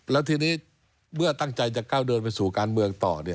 แล้วทีนี้เมื่อตั้งใจจะก้าวเดินไปสู่การเมืองต่อ